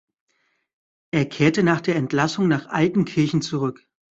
Er kehrte nach der Entlassung nach Altenkirchen zurück.